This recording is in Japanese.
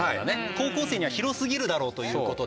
高校生には広すぎるだろうという事でね。